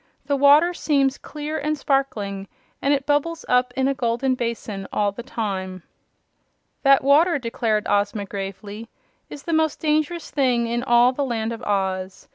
The water seems clear and sparkling and it bubbles up in a golden basin all the time." "That water," declared Ozma, gravely, "is the most dangerous thing in all the Land of Oz.